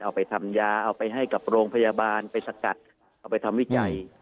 เอาไปทำยาเอาไปให้กับโรงพยาบาลไปสกัดเอาไปทำวิจัย